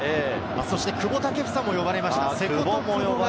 そして久保建英も呼ばれました。